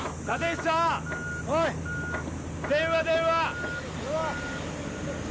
はい！